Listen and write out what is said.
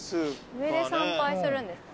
上で参拝するんですか？